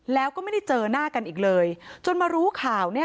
แล้วก็ไม่ได้เจอหน้ากันอีกเลยจนมารู้ข่าวเนี่ย